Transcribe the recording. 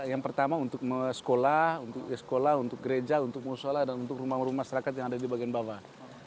yang pertama untuk sekolah untuk sekolah untuk gereja untuk musyola dan untuk rumah rumah masyarakat yang ada di bagian bawah